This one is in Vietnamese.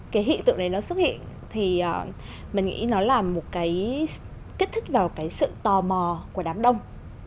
cái hiện tượng đấy nó xuất hiện thì mình nghĩ nó là một cái kết thức vào cái sự tò mò của đám đông